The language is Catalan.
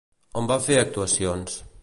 On va fer actuacions?